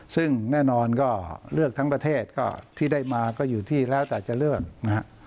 ซึ่งแน่นอนก็เลือกทั้งประเทศก็ที่ได้มาก็อยู่ที่แล้วแต่จะเลือกนะฮะ